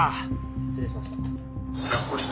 失礼しました。